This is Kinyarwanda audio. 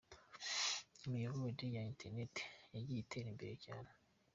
Imiyoboro ya Internet yagiye itera imbere cyane.